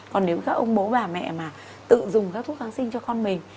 còn nếu các ông bố bà mẹ mà tự dùng các thuốc kháng sinh cho con mình